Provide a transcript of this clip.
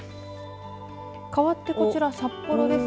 かわって、こちら札幌です。